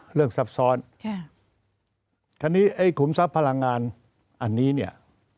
เอ่อเรื่องซับซ้อนแค่ทีนี้ไอ้ขุมทรัพย์พลังงานอันนี้เนี่ย